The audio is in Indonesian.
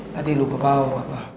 tadi lupa bawa bapak